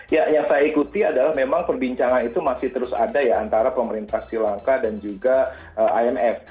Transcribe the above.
ya yang saya ikuti adalah memang perbincangan itu masih terus ada ya antara pemerintah sri lanka dan juga imf